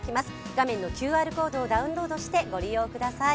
画面のＱＲコードからダウンロードしてご利用ください。